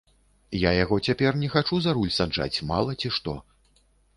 Я яго цяпер не хачу за руль саджаць, мала ці што.